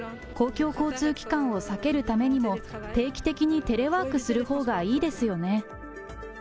公共交通機関を避けるためにも、定期的にテレワークするほうがいいですよね。